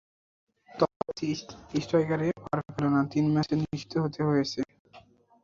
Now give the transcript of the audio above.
তবে Chelsea striker পার পেলেন না, তিন ম্যাচ নিষিদ্ধ হতে হয়েছে।